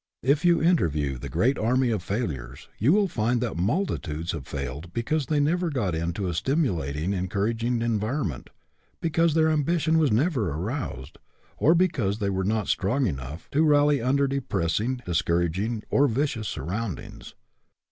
If you interview the great army of failures, you will find that multitudes have failed because they never got into a stimulating, encourag ing environment, because their ambition was never aroused, or because they were not strong enough to rally under depressing, dis couraging, or vicious surroundings.